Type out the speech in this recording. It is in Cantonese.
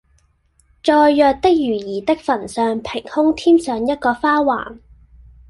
在《藥》的瑜兒的墳上平空添上一個花環，